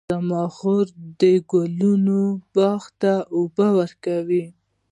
زما خور د ګلانو باغ ته اوبه ورکوي.